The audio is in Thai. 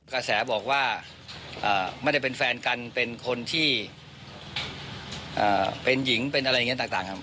กระแสบอกว่าไม่ได้เป็นแฟนกันเป็นคนที่เป็นหญิงเป็นอะไรอย่างนี้ต่างครับ